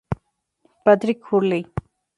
Patrick Hurley.